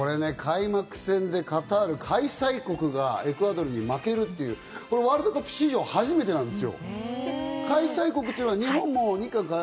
開幕戦でカタール、開催国がエクアドルに負けるっていうワールドカップ史上初めてなんですよ。